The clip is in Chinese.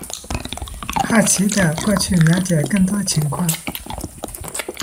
好奇的过去了解更多情况